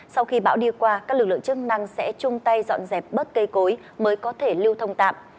sau khi bão đi qua các lực lượng chức năng sẽ chung tay dọn dẹp bớt cây cối mới có thể lưu thông tạm